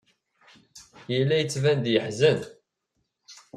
Yella yettban-d yeḥzen.